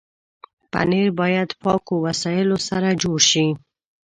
پنېر باید پاکو وسایلو سره جوړ شي.